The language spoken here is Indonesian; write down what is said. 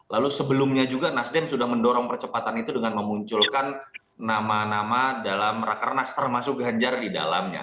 lalu sebelumnya juga nasdem sudah mendorong percepatan itu dengan memunculkan nama nama dalam rakernas termasuk ganjar di dalamnya